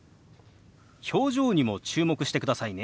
表情にも注目してくださいね。